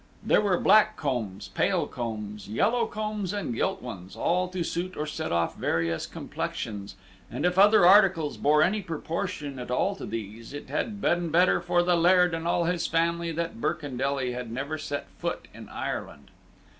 There were black combs, pale combs, yellow combs, and gilt ones, all to suit or set off various complexions; and if other articles bore any proportion at all to these, it had been better for the Laird and all his family that Birkendelly had never set foot in Ireland.